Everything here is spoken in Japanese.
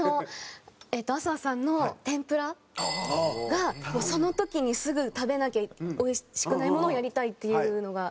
えっと阿諏訪さんの天ぷらがその時にすぐ食べなきゃ美味しくないものをやりたいっていうのが。